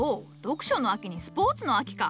読書の秋にスポーツの秋か。